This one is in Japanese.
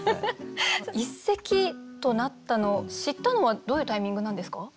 一席となったのを知ったのはどういうタイミングなんですか？